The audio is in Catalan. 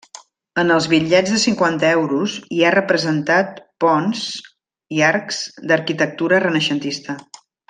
En els bitllets de cinquanta euros hi ha representat ponts i arcs d'arquitectura renaixentista.